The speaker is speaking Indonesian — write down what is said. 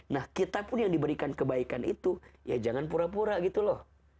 nah kita pun yang diberikan kebaikan itu ya jangan pura pura gitu loh